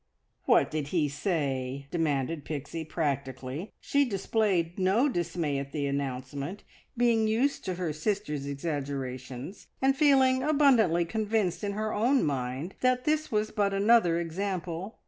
"What did he say?" demanded Pixie practically. She displayed no dismay at the announcement, being used to her sister's exaggerations, and feeling abundantly convinced in her own mind that this was but another example.